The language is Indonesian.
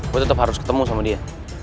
gue tetap harus ketemu sama dia